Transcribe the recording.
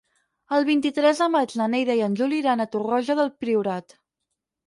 El vint-i-tres de maig na Neida i en Juli iran a Torroja del Priorat.